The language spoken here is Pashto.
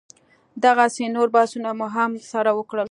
دغسې نور بحثونه مو هم سره وکړل.